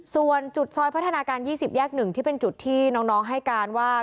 ส่วนจุดซอยพัฒนาการ๒๐แยก๑ที่เป็นจุดที่น้องให้การว่า